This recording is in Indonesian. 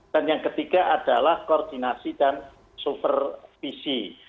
yang ketiga adalah koordinasi dan supervisi